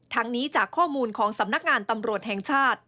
ทั้งนี้จากข้อมูลของสำนักงานตำรวจแห่งชาติ